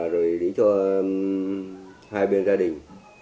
rồi để cho hai bên gia đình